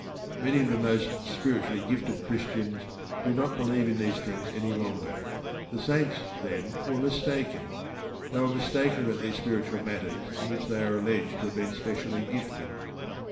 Many of the most spiritually gifted Christians do not believe in these things any longer. The Saints, then, were mistaken. They were mistaken about these spiritual matters in which they are alleged to have been specially gifted.